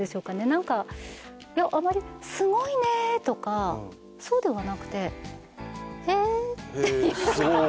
何かあまり「すごいね！」とかそうではなくて「へえ」っていう。